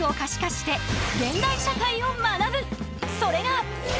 それが。